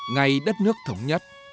ngày đất nước thống nhất